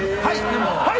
はい！